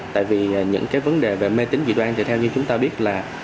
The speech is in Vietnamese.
tại vì những cái vấn đề về mê tính dị đoan thì theo như chúng ta biết là